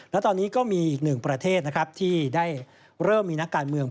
และตอนนี้ก็มีอีกหนึ่งประเทศนะครับที่ได้เริ่มมีนักการเมือง